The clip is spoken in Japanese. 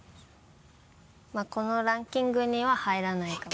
まぁこのランキングには入らないかも。